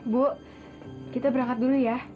bu kita berangkat dulu ya